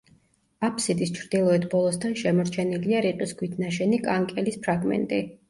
აფსიდის ჩრდილოეთ ბოლოსთან შემორჩენილია რიყის ქვით ნაშენი კანკელის ფრაგმენტი.